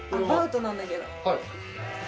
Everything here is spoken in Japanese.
アバウトなんだけど。